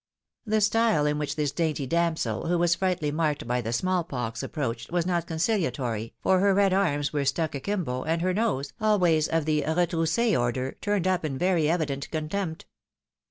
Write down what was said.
The style in which this dainty damsel, who was frightftilly marked by the smallpox, approached, was not conciliatory, for her red arms were stuck akimbo, and her nose, always of the retrousse order, turned up in very evident contempt.